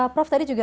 prof tadi juga